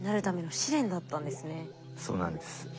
そうなんです。